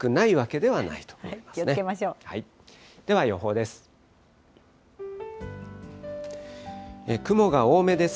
では予報です。